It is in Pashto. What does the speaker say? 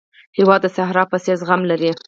هېواد د صحرا په څېر زغم لري.